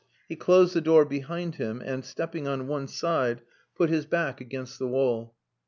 He closed the door behind him, and stepping on one side, put his back against the wall.